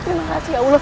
terima kasih ya allah